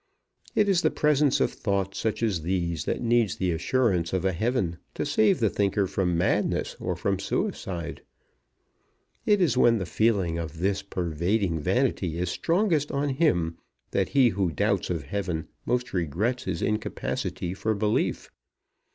It is the presence of thoughts such as these that needs the assurance of a heaven to save the thinker from madness or from suicide. It is when the feeling of this pervading vanity is strongest on him, that he who doubts of heaven most regrets his incapacity for belief.